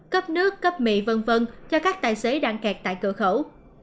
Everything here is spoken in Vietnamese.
cấp nước cấp mì v v cho các tài xế đang kẹt tại cửa khẩu